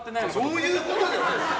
そういうことじゃないです。